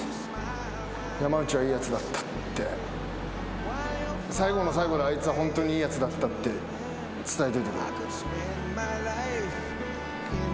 山内はいいやつだったって最後の最後であいつはホントにいいやつだったって伝えといてくれ。